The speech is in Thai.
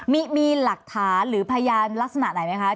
มีหลักฐานหรือพยานลักษณะไหนไหมคะ